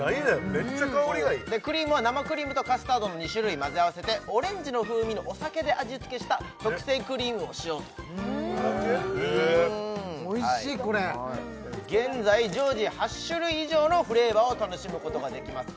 めっちゃ香りがいいクリームは生クリームとカスタードの２種類混ぜ合わせてオレンジの風味のお酒で味付けした特製クリームを使用とへえおいしいこれ現在常時８種類以上のフレーバーを楽しむことができます